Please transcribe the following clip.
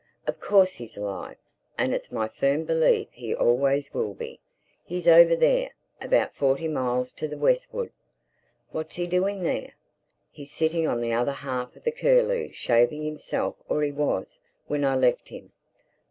"Of course he's alive—and it's my firm belief he always will be. He's over there, about forty miles to the westward." "What's he doing there?" "He's sitting on the other half of the Curlew shaving himself—or he was, when I left him."